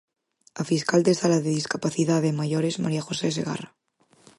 A fiscal de Sala de Discapacidade e Maiores, María José Segarra.